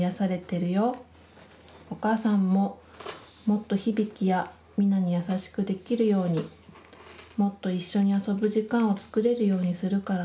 お母さんももっと日々貴やみなに優しくできるようにもっと一緒に遊ぶ時間をつくれるようにするからね。